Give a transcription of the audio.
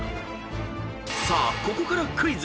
［さあここからクイズ。